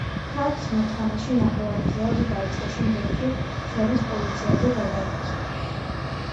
ფრანცმა თამაში ნახევარმცველად დაიწყო, შემდეგ კი მცველის პოზიციაზე გადაინაცვლა.